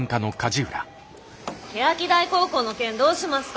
欅台高校の件どうしますか？